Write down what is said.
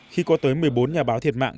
khi có tới một mươi bốn nhà báo thiệt mạng